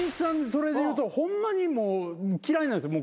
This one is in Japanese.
それでいうとホンマにもう嫌いなんですよ。